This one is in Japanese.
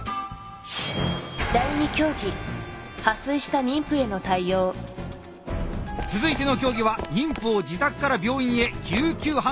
第２競技続いての競技は妊婦を自宅から病院へ救急搬送。